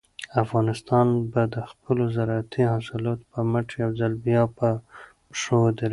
افغانستان به د خپلو زارعتي حاصلاتو په مټ یو ځل بیا په پښو ودرېږي.